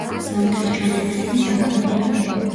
ზამთრის ჩამონადენი დაბალია.